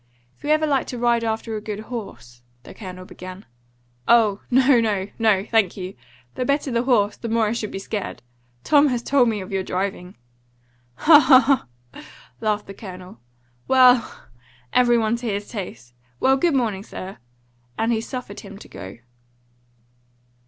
"If you ever like to ride after a good horse " the Colonel began. "Oh, no, no, no; thank you! The better the horse, the more I should be scared. Tom has told me of your driving!" "Ha, ha, ha!" laughed the Colonel. "Well! every one to his taste. Well, good morning, sir!" and he suffered him to go.